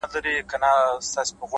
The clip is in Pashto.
څه عجيب شاني مثال د چا د ياد-